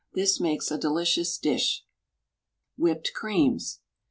This makes a delicious dish. WHIPPED CREAMS.